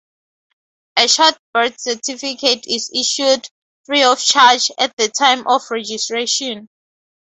A short birth certificate is issued, free of charge, at the time of registration.